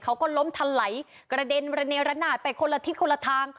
เขาก็ล้มทันไหลกระเด็นระเนระนาดไปคนละทิศคนละทาง